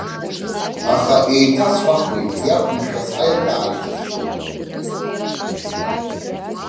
Аха, еиҭасҳәахуеит, иақәымшәац аилкаара ицәыцәгьоуп.